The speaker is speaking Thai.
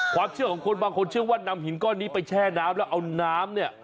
ความเชื่อของคนบางคนเชื่อว่านำหินก้อนนี้ไปแช่น้ำแล้วเอาน้ำเนี่ย